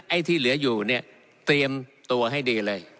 ที่เหลืออยู่เนี่ยเตรียมตัวให้ดีเลย